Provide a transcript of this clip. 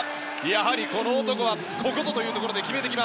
やはり、この男はここぞというところで決める。